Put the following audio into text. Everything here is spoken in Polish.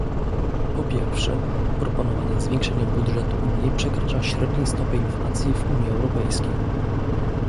Po pierwsze, proponowane zwiększenie budżetu nie przekracza średniej stopy inflacji w Unii Europejskiej